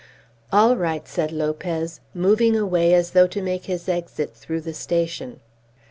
"All right," said Lopez, moving away as though to make his exit through the station.